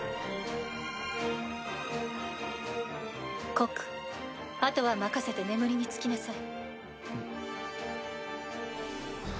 告後は任せて眠りにつきなさい。